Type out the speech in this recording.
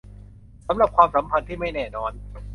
สำหรับความสัมพันธ์ที่ไม่แน่นอน